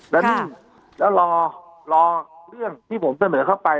และนี่แล้วรอเรื่องที่ผมเสนอเข้าไป